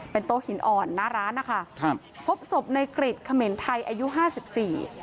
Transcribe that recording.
โต๊ะหินอ่อนหน้าร้านนะคะครับพบศพในกริจเขมรไทยอายุห้าสิบสี่